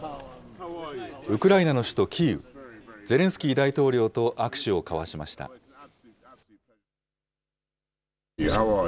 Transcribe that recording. ウクライナの首都キーウ。